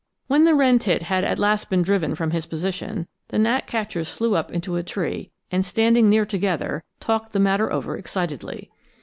When the wren tit had at last been driven from his position, the gnatcatchers flew up into a tree and, standing near together, talked the matter over excitedly.